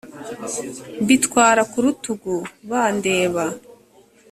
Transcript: mbitwara ku rutugu bandeba